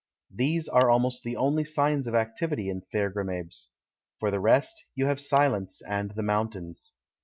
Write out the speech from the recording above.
These are almost the only signs of activity in Thergrimabes. For the rest, you have silence and the mountains.